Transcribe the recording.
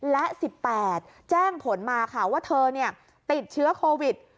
และ๑๘แจ้งผลมาค่ะว่าเธอติดเชื้อโควิด